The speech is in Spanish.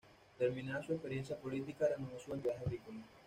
Terminada su experiencia política, reanudó sus actividades agrícolas.